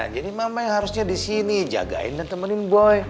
jadi mama yang harusnya di sini jagain dan temenin boy